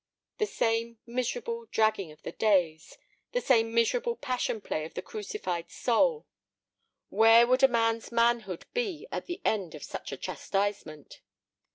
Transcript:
The same miserable dragging of the days, the same miserable passion play of the crucified soul. Where would a man's manhood be at the end of such a chastisement?